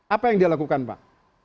apa yang dia lakukan pak